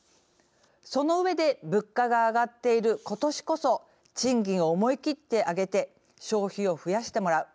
その上で物価が上がっている今年こそ賃金を思い切って上げて消費を増やしてもらう。